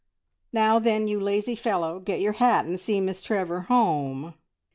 "Now, then, you lazy fellow, get your hat, and see Miss Trevor home!"